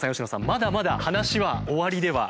まだまだ話は終わりではありません。